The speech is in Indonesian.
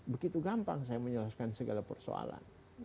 begitu gampang saya menyelesaikan segala persoalan